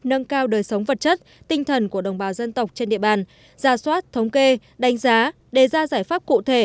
nâng cao đời sống vật chất tinh thần của đồng bào dân tộc trên địa bàn ra soát thống kê đánh giá đề ra giải pháp cụ thể